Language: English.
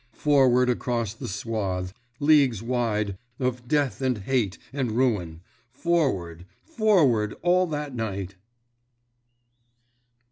Forward across the swath, leagues wide, of death and hate and ruin, forward, forward all that night!